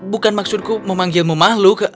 bukan maksudku memanggilmu makhluk